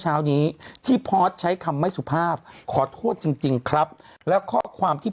เช้านี้ที่พอร์ตใช้คำไม่สุภาพขอโทษจริงจริงครับแล้วข้อความที่